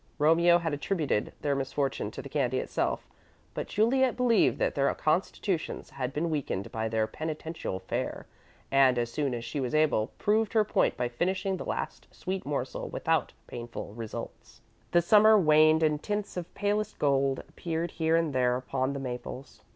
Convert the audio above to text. Romeo had attributed their misfortune to the candy itself, but Juliet believed that their constitutions had been weakened by their penitential fare, and, as soon as she was able, proved her point by finishing the last sweet morsel without painful results. The Summer waned and tints of palest gold appeared here and there upon the maples.